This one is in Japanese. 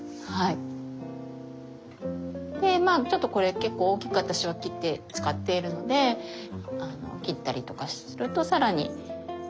でまあちょっとこれ結構大きく私は切って使っているので切ったりとかすると更に増えるからね布巾がハハハ。